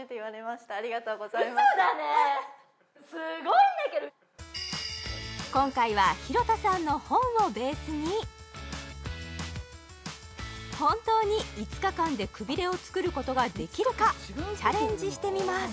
うそだねすごいんだけど今回は廣田さんの本をベースに本当に５日間でくびれを作ることができるかチャレンジしてみます